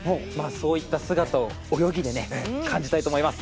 そういった姿を泳ぎで感じたいと思います。